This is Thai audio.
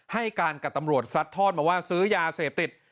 ให้การกับตำรวจซัดทอดมาว่าซื้อยาเสพติด